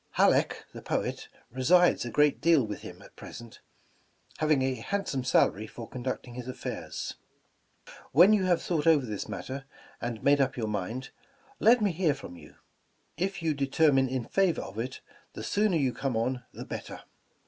Halleck, the poet, resides a great deal with him at present, having a handsome salary for conducting his affairs. "When you have thought over this matter, and made up your mind, let me hear from you. If you determine in favor of it, the sooner you come on the better.